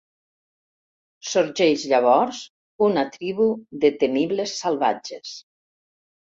Sorgeix llavors una tribu de temibles salvatges.